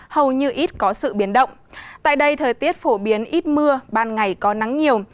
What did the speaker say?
hầu như ít có sự biến động tại đây thời tiết phổ biến ít mưa ban ngày có nắng nhiều